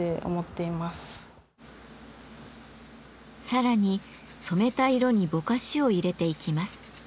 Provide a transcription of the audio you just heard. さらに染めた色にぼかしを入れていきます。